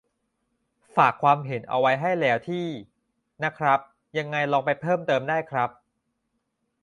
ฝากความเห็นเอาไว้ให้แล้วที่ นะครับ : ยังไงลองไปเพิ่มเติมได้ครับ